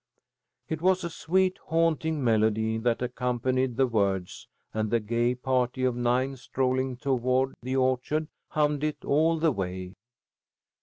It was a sweet, haunting melody that accompanied the words, and the gay party of nine, strolling toward the orchard, hummed it all the way.